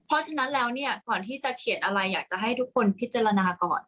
เพราะฉะนั้นแล้วเนี่ยก่อนที่จะเขียนอะไรอยากจะให้ทุกคนพิจารณาก่อน